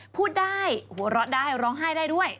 พูดได้หัวเราะได้ร้องไห้ได้ด้วย